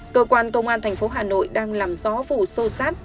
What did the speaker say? cơ quan công an tp hà nội đang làm gió vụ sâu sát